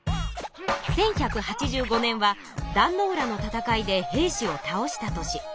１１８５年は壇ノ浦の戦いで平氏を倒した年。